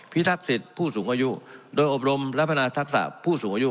ทักษิตผู้สูงอายุโดยอบรมและพนาทักษะผู้สูงอายุ